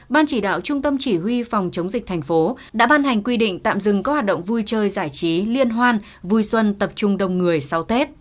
ban chỉ đạo trung tâm chỉ huy phòng chống dịch thành phố đã ban hành quy định tạm dừng các hoạt động vui chơi giải trí liên hoan vui xuân tập trung đông người sau tết